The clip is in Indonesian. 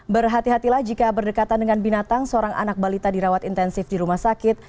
berhati hatilah jika berdekatan dengan binatang seorang anak balita dirawat intensif di rumah sakit